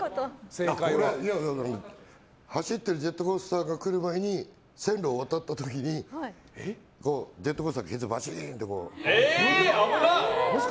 これ、だから走っているジェットコースターが来る前に線路を渡った時にジェットコースターにけつをバチン！と。